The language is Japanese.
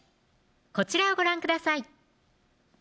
こちらをご覧ください